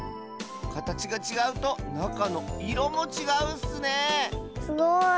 かたちがちがうとなかのいろもちがうッスねえすごい。